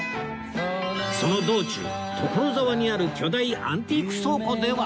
その道中所沢にある巨大アンティーク倉庫では